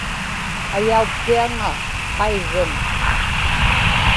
ayauppiaŋa qairruŋ